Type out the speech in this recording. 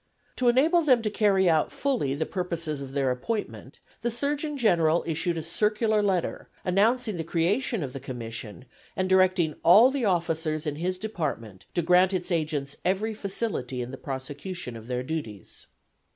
To enable them to carry out fully the purposes of their appointment the Surgeon General issued a circular letter announcing the creation of the Commission, and directing all the officers in his department to grant its agents every facility in the prosecution of their duties.